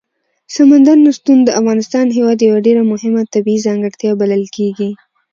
سمندر نه شتون د افغانستان هېواد یوه ډېره مهمه طبیعي ځانګړتیا بلل کېږي.